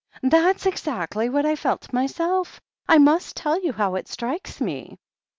. That's exactly what I felt myself. I must tell you how it strikes me. .